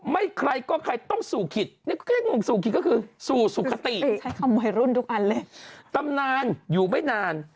ไม่ใครก็ใครต้องสู่ขิตนี่ก็แค่งงสู่ขิตก็คือสู่สุขติใช้คำวัยรุ่นทุกอันเลยตำนานอยู่ไม่นาน